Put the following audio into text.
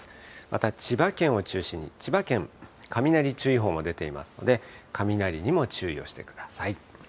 また千葉県を中心に、千葉県、雷注意報も出ていますので、雷にも注意をしてください。